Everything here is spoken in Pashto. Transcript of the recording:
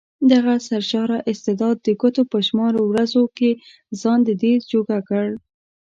دغه سرشاره استعداد د ګوتو په شمار ورځو کې ځان ددې جوګه کړ.